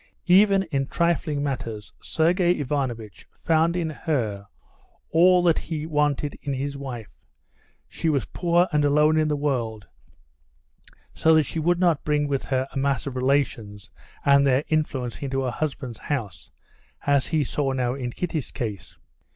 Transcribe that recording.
Even in trifling matters, Sergey Ivanovitch found in her all that he wanted in his wife: she was poor and alone in the world, so she would not bring with her a mass of relations and their influence into her husband's house, as he saw now in Kitty's case.